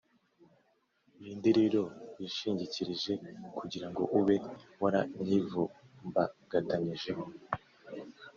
Ni nde rero wishingikirije kugira ngo ube waranyivumbagatanyijeho ?